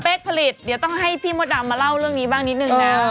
ผลิตเดี๋ยวต้องให้พี่มดดำมาเล่าเรื่องนี้บ้างนิดนึงนะ